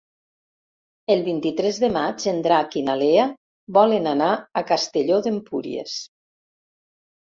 El vint-i-tres de maig en Drac i na Lea volen anar a Castelló d'Empúries.